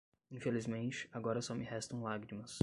Infelizmente, agora só me restam lágrimas